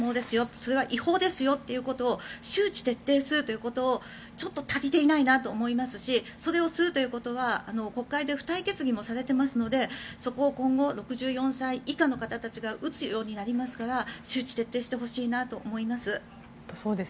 それは違法ですよということを周知徹底するということがちょっと足りていないなと思いますしそれをするということは国会で付帯決議もされてますのでそこを今後６４歳以下の方たちが打つようになりますから周知徹底してほしいなと思います。